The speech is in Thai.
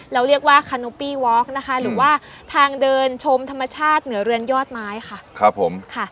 เราเรียกว่าคานุปี้วอคนะคะหรือว่าทางเดินชมธรรมชาติเหนือเรือนยอดไม้ค่ะครับผมค่ะ